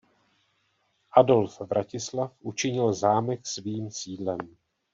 Adolf Vratislav učinil zámek svým sídlem.